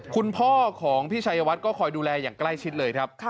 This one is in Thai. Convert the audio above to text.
คุณพ่อของพี่ชัยวัดก็คอยดูแลอย่างใกล้ชิดเลยครับ